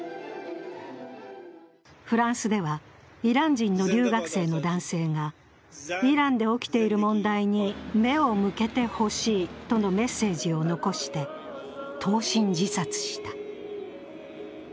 フランスではイラン人の留学生の男性がイランで起きている問題に目を向けてほしいとのメッセージを残して投身自殺した。